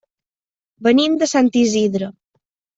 Venim de Sant Isidre.